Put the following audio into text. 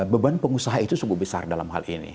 beban pengusaha itu cukup besar dalam hal ini